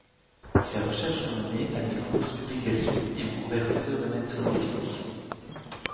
Ces recherches ont mené à de nombreuses publications et ont couvert plusieurs domaines scientifiques.